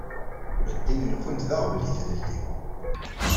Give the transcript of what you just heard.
Ddin-nkent d aɣbel i tlelli.